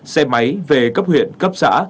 xe máy về cấp huyện cấp xã